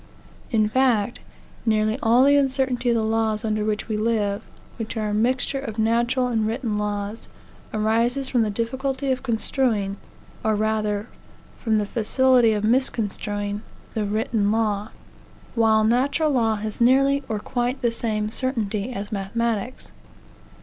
In fact, nearly all the uncertainty of the laws under which we live, which are a mixture of natural and written laws, arises from the difficulty of construing, or, rather, from the facility of misconstruing, the written law; while natural law has nearly or quite the same certainty as mathematics.